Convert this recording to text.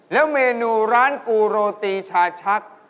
แล้วเมนูร้านกูโรตีชาชัก